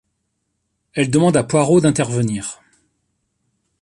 Elle demande à Poirot d'intervenir.